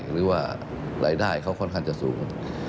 หรือว่ารายได้เขาค่อนข้างจะสูง